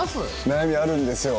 悩みあるんですよ。